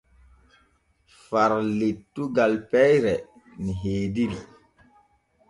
Far lettugal peyre ni heediri.